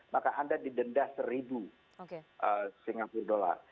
maka anda didenda seribu singapura dollar